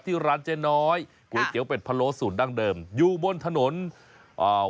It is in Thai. ที่ร้านเจ๊น้อยก๋วยเตี๋ยวเป็ดพะโล้สูตรดั้งเดิมอยู่บนถนนอ่า